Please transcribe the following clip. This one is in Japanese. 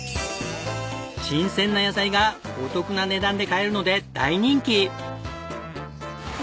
新鮮な野菜がお得な値段で買えるので大人気。